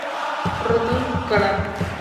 Rudolf Gelbard.